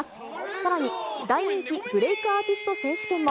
さらに、大人気、ブレイクアーティスト選手権も。